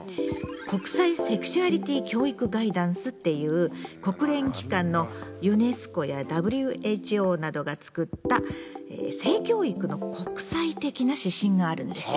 「国際セクシュアリティ教育ガイダンス」っていう国連機関のユネスコやＷＨＯなどが作った性教育の国際的な指針があるんです。